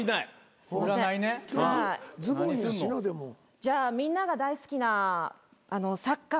じゃあみんなが大好きなサッカー。